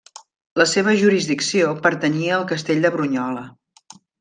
La seva jurisdicció pertanyia al castell de Brunyola.